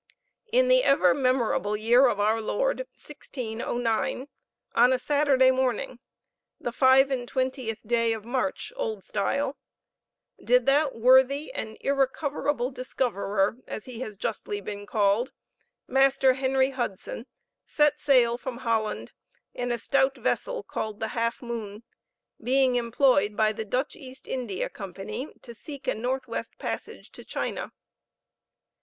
In the ever memorable year of our Lord, 1609, on a Saturday morning, the five and twentieth day of March, old style, did that "worthy and irrecoverable discoverer (as he has justly been called), Master Henry Hudson," set sail from Holland in a stout vessel called the Half Moon, being employed by the Dutch East India Company to seek a north west passage to China.